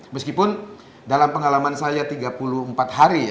meskipun dalam pengalaman saya tiga puluh empat hari